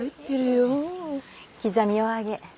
刻みお揚げ